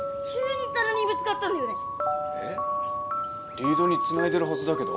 リードにつないでるはずだけど？